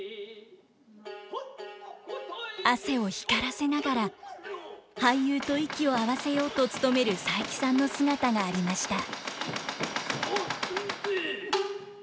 汗を光らせながら俳優と息を合わせようと努める佐伯さんの姿がありました。